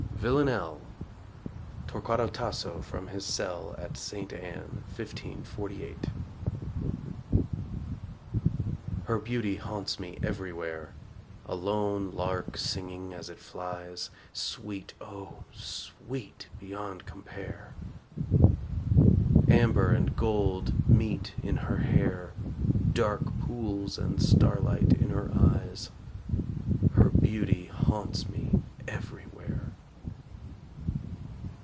VILLANELLE (Torquato Tasso from his cell at Ste. Anne, 1548) Her beauty haunts me everywhere A lone lark singing as it flies Sweet, O sweet beyond compare. Amber and gold meet in her hair, Dark pools and starlight in her eyes; Her beauty haunts me everywhere.